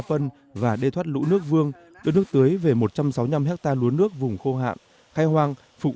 phân và đê thoát lũ nước vương đưa nước tưới về một trăm sáu mươi năm hectare lúa nước vùng khô hạn khai hoang phục